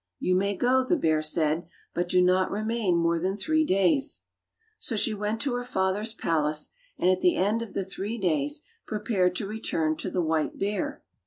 "You may go," the bear said, "but do not remain more than three days." So she went to her father's palace, and at the end of the three days prepared to return to the white bear.